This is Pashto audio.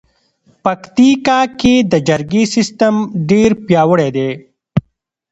پکتیکا کې د جرګې سیستم ډېر پیاوړی دی.